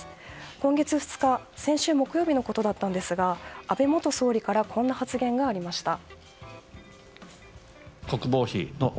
今月２日、先週木曜日ですが安倍元総理からこんな発言がありました。